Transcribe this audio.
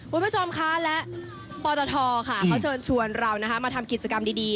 คุณผู้ชมคะและปตทค่ะเขาเชิญชวนเรามาทำกิจกรรมดี